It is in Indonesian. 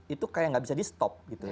itu kayak nggak bisa di stop gitu ya